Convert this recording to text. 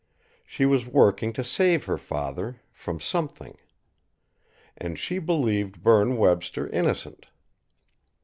She was working to save her father from something. And she believed Berne Webster innocent.